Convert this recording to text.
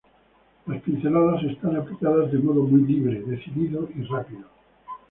Las pinceladas están aplicadas de modo muy libre, decidido y rápido.